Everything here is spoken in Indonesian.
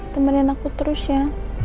temenin aku terus ya